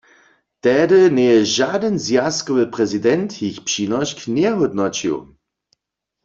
Tehdy njeje žadyn zwjazkowy prezident jich přinošk njehódnoćił.